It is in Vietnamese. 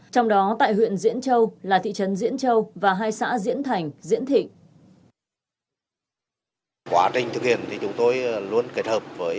trong đó tại huyện diễn châu là thị trấn diễn châu và hai xã diễn thành diễn thịnh